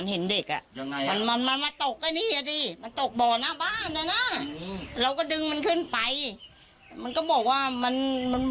สงสัยคนเขียนกลัวอัศวินเหมือนกัน